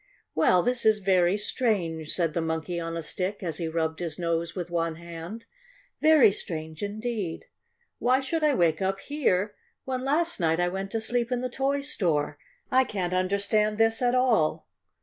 "Well, this is very strange," said the Monkey on a Stick, as he rubbed his nose with one hand, "very strange indeed! Why should I wake up here, when last night I went to sleep in the toy store? I can't understand this at all!"